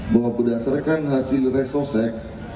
bahwa berdasarkan hasil resosek